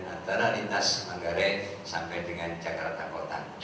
antara lintas manggarai sampai dengan jakarta kota